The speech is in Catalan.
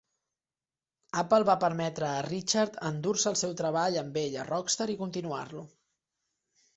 Apple va permetre a Richard endur-se el seu treball amb ell a Rockstar i continuar-lo.